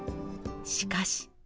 しかし。